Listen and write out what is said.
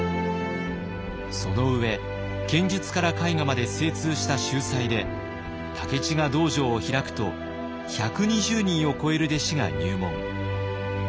その上剣術から絵画まで精通した秀才で武市が道場を開くと１２０人を超える弟子が入門。